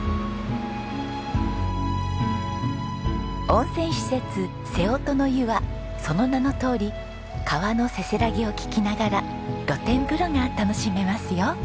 温泉施設瀬音の湯はその名のとおり川のせせらぎを聞きながら露天風呂が楽しめますよ。